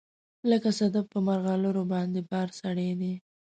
لکه صدف په مرغلروباندې بار سړی دی